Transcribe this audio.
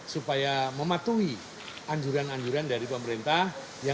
supaya mematuhi anjuran anjuran dari pemerintah